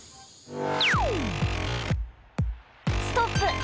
ストップ！